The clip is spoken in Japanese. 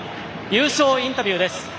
優勝インタビューです。